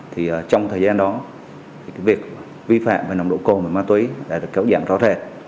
trong thời gian đó việc vi phạm nồng độ cồn và ma túy đã được kéo giảm rõ rệt